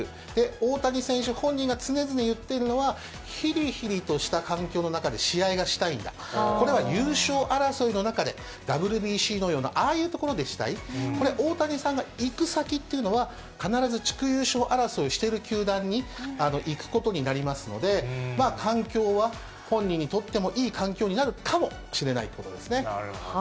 大谷選手本人が常々言っているのは、ひりひりとした環境の中で試合がしたいんだ、これは優勝争いの中で、ＷＢＣのような、ああいうところでしたい、これ、大谷さんが行く先というのは、必ず地区優勝争いしてる球団に行くことになりますので、環境は本人にとってもいい環境になるかもしれないということですなるほど。